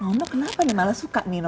nah momok kenapa nih malah suka nino